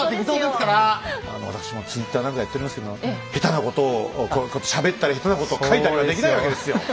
わたくしもツイッターなんかやっておりますけど下手なことをしゃべったり下手なことを書いたりはできないわけですよ。